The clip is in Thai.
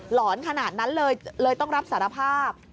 หอนขนาดนั้นเลยเลยต้องรับสารภาพ